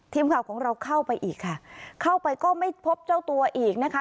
ทีมข่าวของเราเข้าไปอีกค่ะเข้าไปก็ไม่พบเจ้าตัวอีกนะคะ